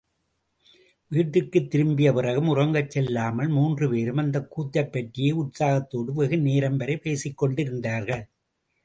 வீட்டிற்குத் திரும்பிய பிறகும் உறங்கச் செல்லாமல் மூன்று பேரும் அந்தக் கூத்தைப் பற்றியே உற்சாகத்தோடு வெகு நேரம்வரை பேசிக்கொண்டிருந்தார்கள்.